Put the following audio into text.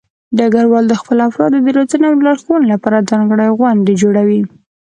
ډګروال د خپلو افرادو د روزنې او لارښودنې لپاره ځانګړې غونډې جوړوي.